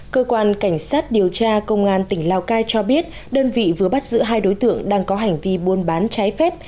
cơ quan cảnh sát điều tra công an tỉnh lào cai cho biết đơn vị vừa bắt giữ hai đối tượng đang có hành vi buôn bán trái phép